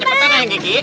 cepetan aja ji